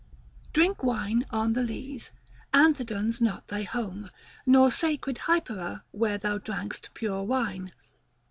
Drink wine on th' lees, Anthedon's not thy home, Nor sacred Hypera where thou drank'st pure wine.